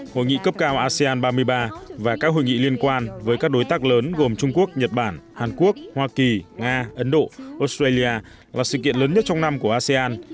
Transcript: hội nghị cấp cao asean ba mươi ba và các hội nghị liên quan với các đối tác lớn gồm trung quốc nhật bản hàn quốc hoa kỳ nga ấn độ australia và sự kiện lớn nhất trong năm của asean